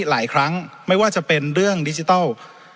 หลายครั้งไม่ว่าจะเป็นเรื่องดิจิทัล